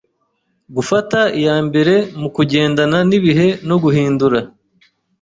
Gufata iya mbere mu kugendana n’ibihe no guhindura